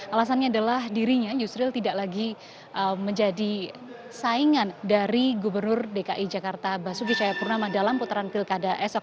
alasannya adalah dirinya yusril tidak lagi menjadi saingan dari gubernur dki jakarta basuki cahayapurnama dalam putaran pilkada esok